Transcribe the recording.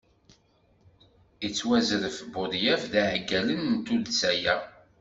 Yettwazref Budyaf d iɛeggalen n tuddsa-a.